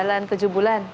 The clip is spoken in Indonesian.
selamat pagi selamat bulan